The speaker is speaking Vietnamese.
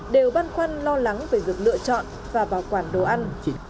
đều băn khoăn lo lắng về việc lựa chọn và bảo quản đồ ăn